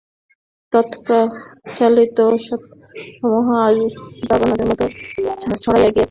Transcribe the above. তৎপ্রচারিত সত্যসমূহ আজ দাবানলের মত দিকে দিকে ছড়াইয়া পড়িতেছে।